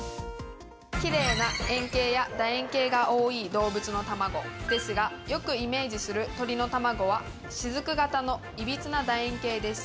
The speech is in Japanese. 綺麗な円形や楕円形が多い動物の卵ですが、よくイメージする鳥の卵は、しずく型のいびつな楕円形です。